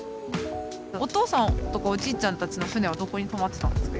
お父さんとかおじいちゃんたちの船はどこに泊まってたんですか？